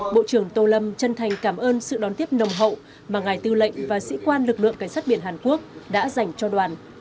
bộ trưởng tô lâm chân thành cảm ơn sự đón tiếp nồng hậu mà ngài tư lệnh và sĩ quan lực lượng cảnh sát biển hàn quốc đã dành cho đoàn